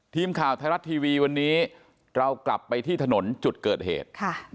ทีมข่าวไทยรัฐทีวีวันนี้เรากลับไปที่ถนนจุดเกิดเหตุ